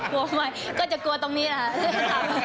กลัวมากก็จะกลัวตรงนี้ค่ะ